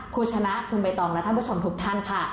คุณชนะคุณใบตองและท่านผู้ชมทุกท่านค่ะ